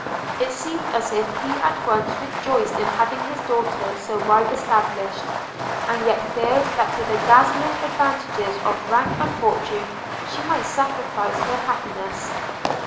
It seemed as if he at once rejoiced in having his daughter so well established, and yet feared that to the dazzling advantages of rank and fortune she might sacrifice her happiness.